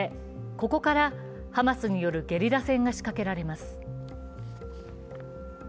ここからハマスによるゲリラ戦が仕掛けられます。